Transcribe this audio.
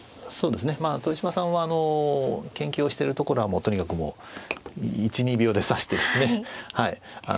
そうですね豊島さんは研究をしているところはもうとにかく１２秒で指してますねはい。